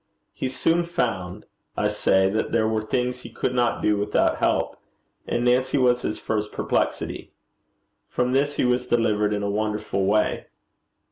He soon found, I say, that there were things he could not do without help, and Nancy was his first perplexity. From this he was delivered in a wonderful way.